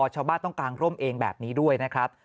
ชาวบ้านต้องกางร่มเองแบบนี้ด้วยนะครับ